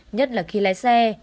nhất là khi lái xe